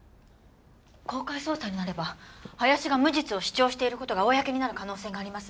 公開捜査になれば林が無実を主張している事が公になる可能性があります。